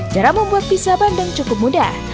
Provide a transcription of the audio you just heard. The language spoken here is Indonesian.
cara membuat pizza bandeng cukup mudah